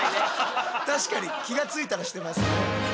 確かに気が付いたらしてますね。